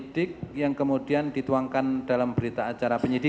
tanda tangan dalam berita acara itu